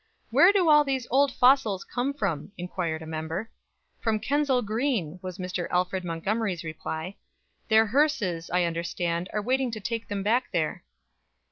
'Where do all these old fossils come from?' inquired a member. 'From Kensal Green,' was Mr. Alfred Montgomery's reply. 'Their hearses, I understand, are waiting to take them back there.'"